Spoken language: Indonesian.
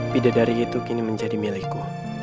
bida dari itu kini menjadi milikku